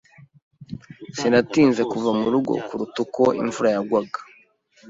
Sinatinze kuva mu rugo kuruta uko imvura yagwaga.